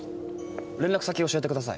連絡先教えてください。